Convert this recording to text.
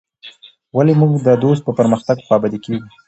ولي موږ د دوست په پرمختګ خوابدي کيږو.